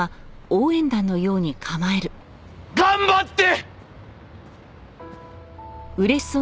頑張って！